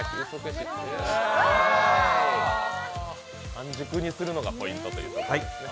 半熟にするのがポイントということ。